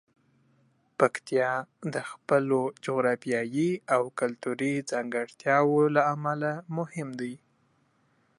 پکتیا د خپلو جغرافیايي او کلتوري ځانګړتیاوو له امله مهم دی.